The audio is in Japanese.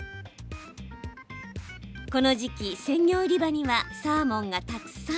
この時期、鮮魚売り場にはサーモンがたくさん。